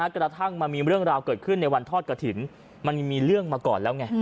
กระทั่งมันมีเรื่องราวเกิดขึ้นในวันทอดกระถิ่นมันมีเรื่องมาก่อนแล้วไง